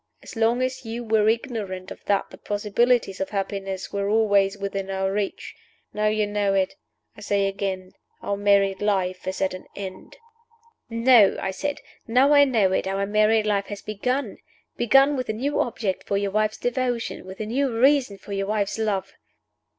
As long as you were ignorant of that the possibilities of happiness were always within our reach. Now you know it, I say again our married life is at an end." "No," I said. "Now I know it, our married life has begun begun with a new object for your wife's devotion, with a new reason for your wife's love!"